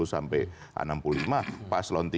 enam puluh sampai enam puluh lima paslon